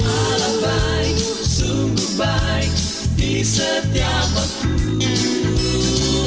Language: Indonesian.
alam baik sungguh baik di setiap waktu